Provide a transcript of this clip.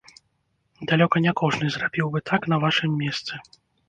Далёка не кожны зрабіў бы так на вашым месцы.